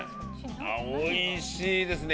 あ、おいしいですね。